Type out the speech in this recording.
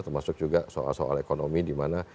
termasuk juga soal soal ekonomi dimana